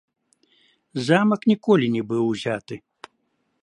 Замак ніколі не быў узяты.